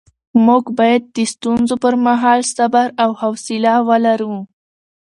موږ باید د ستونزو پر مهال صبر او حوصله ولرو